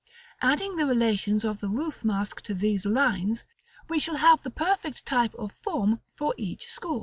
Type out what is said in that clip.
Adding the relations of the roof mask to these lines, we shall have the perfect type of form for each school.